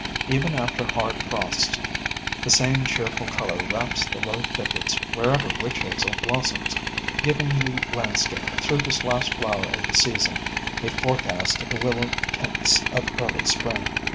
Even after hard frosts, the same cheerful color wraps the low thickets wherever Witch Hazel blossoms, giving the land scape, through this last flower of the season, a forecast of the Willow tints of early Spring.